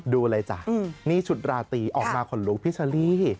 ดูเลยจ้ะนี่ชุดราตรีออกมาขนลุกพี่เชอรี่